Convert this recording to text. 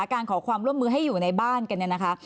การขอความร่วมมือให้อยู่ในบ้านกันเนี่ยนะคะ